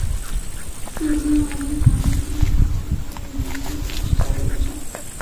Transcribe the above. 细茎驴蹄草为毛茛科驴蹄草属下的一个种。